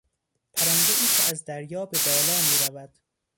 پرندهای که از دریا به بالا میرود